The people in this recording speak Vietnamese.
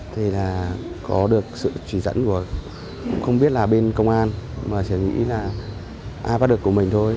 thì là có được sự chỉ dẫn của cũng không biết là bên công an mà chỉ nghĩ là ai bắt được của mình thôi